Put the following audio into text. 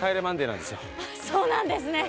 そうなんですね！